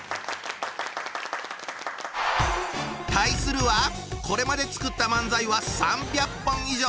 対するはこれまで作った漫才は３００本以上！